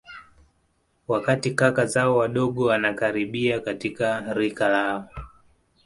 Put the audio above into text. Wakati kaka zao wadogo wanakaribia katika rika lao